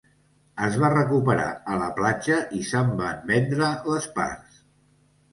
Es va recuperar a la platja i se'n van vendre les parts.